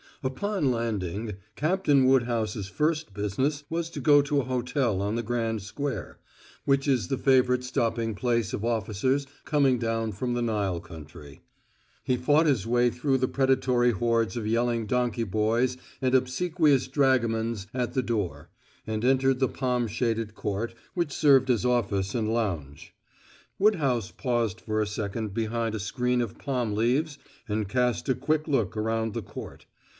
Upon landing, Captain Woodhouse's first business was to go to a hotel on the Grand Square, which is the favorite stopping place of officers coming down from the Nile country. He fought his way through the predatory hordes of yelling donkey boys and obsequious dragomans at the door, and entered the palm shaded court, which served as office and lounge. Woodhouse paused for a second behind a screen of palm leaves and cast a quick eye around the court.